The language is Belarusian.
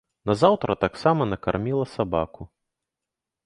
Назаўтра таксама накарміла сабаку.